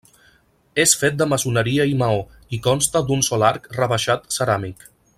És fet de maçoneria i maó i consta d'un sol arc rebaixat ceràmic.